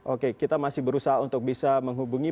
oke kita masih berusaha untuk bisa menghubungi